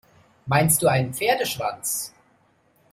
Meinst du einen Pferdeschwanz?